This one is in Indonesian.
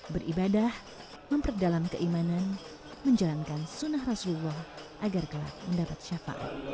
beribadah memperdalam keimanan menjalankan sunnah rasulullah agar gelap mendapat syafaat